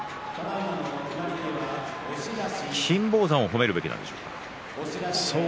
金峰山を褒めるべきなんでしょうか。